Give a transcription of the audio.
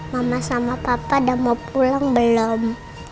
mama sama papa udah mau pulang belum